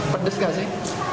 pedas enggak sih